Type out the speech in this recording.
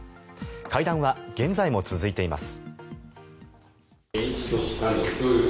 会談は現在も続いています。